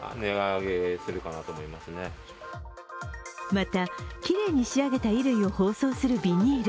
また、きれいに仕上げた衣類を包装するビニール。